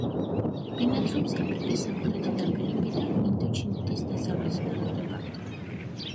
ბინადრობს აფრიკის სამხრეთი ნაპირებიდან ინდოჩინეთის დასავლეთ ნაპირებამდე.